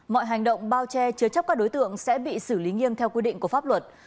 mọi hành động bao che chứa chấp các đối tượng sẽ bị xử lý nghiêm theo quy định của pháp luật